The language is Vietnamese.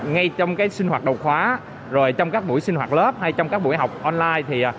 ngay trong sinh hoạt đầu khóa rồi trong các buổi sinh hoạt lớp hay trong các buổi học online